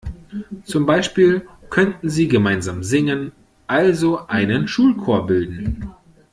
Zum Beispiel könnten sie gemeinsam singen, also einen Schulchor bilden.